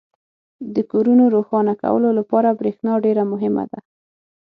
• د کورونو روښانه کولو لپاره برېښنا ډېره مهمه ده.